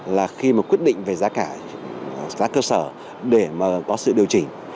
là khi quyết định về giá cả giá cơ sở để có sự điều chỉnh